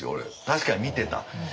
確かに見てた。